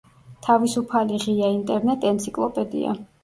თავისუფალი ღია ინტერნეტ-ენციკლოპედია.